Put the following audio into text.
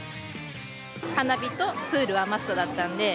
花火とプールはマストだったんで。